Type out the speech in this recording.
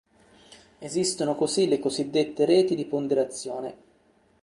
Esistono così le cosiddette "reti di ponderazione".